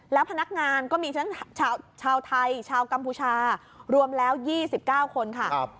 แล้วพนักงานก็มีชั้นชาวชาวไทยชาวกัมพูชารวมแล้วยี่สิบเก้าคนค่ะครับ